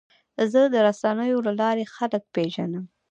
زه د رسنیو له لارې خلک پېژنم.